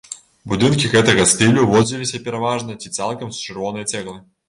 Будынкі гэтага стылю ўзводзіліся пераважна ці цалкам з чырвонай цэглы.